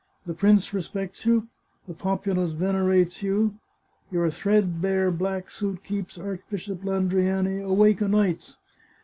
The prince respects you. The populace venerates you. Your threadbare black suit keeps Arch bishop Landriani awake o' nights.